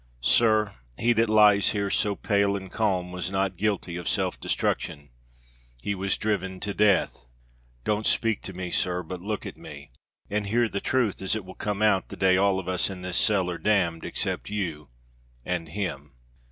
Sir, he that lies here so pale and calm was not guilty of self destruction. He was driven to death! don't speak to me, sir, but look at me, and hear the truth, as it will come out the day all of us in this cell are damned, except you and him!"